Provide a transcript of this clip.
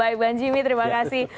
baik bang jimmy terima kasih